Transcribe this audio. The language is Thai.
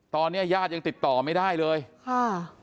ตอนนี้ญาติยังติดต่อไม่ได้เลยค่ะ